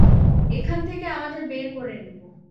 এখান থেকে আমাদের বের করে নেবো।